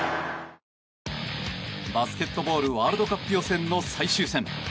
バスケットボールワールドカップ予選の最終戦。